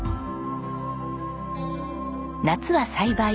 夏は栽培。